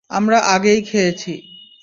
আমরা আগেই খেয়েছি।